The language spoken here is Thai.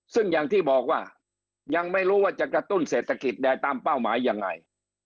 ซึ่งอย่างที่บอกว่ายังไม่รู้ว่าจะกระตุ้นเศรษฐกิจได้ตามเป้าหมายยังไง